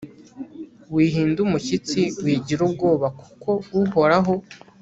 wihinda umushyitsi wigira ubwoba kuko uhoraho